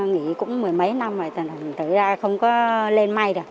nghỉ cũng mười mấy năm rồi tự ra không có lên may được